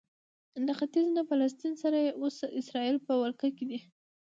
له ختیځ نه له فلسطین سره چې اوس اسراییل په ولکه کې دی.